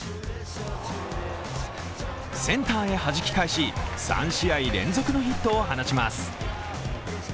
センターへはじき返し３試合連続のヒットを放ちます。